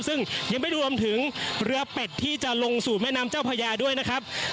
ซึ่งยังไม่รวมถึงเรือเป็ดที่จะลงสู่แม่น้ำเจ้าพญาด้วยนะครับ